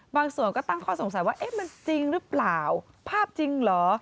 บางส่วนก็ตั้งข้อสงสัยว่าเอ๊ะมันจริงหรือเปล่าภาพจริงเหรอ